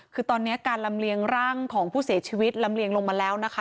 คือตอนนี้การลำเลียงร่างของผู้เสียชีวิตลำเลียงลงมาแล้วนะคะ